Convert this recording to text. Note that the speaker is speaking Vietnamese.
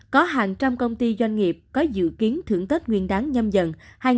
có hàng trăm công ty doanh nghiệp có dự kiến thưởng tết nguyên đáng nhâm dần hai nghìn hai mươi hai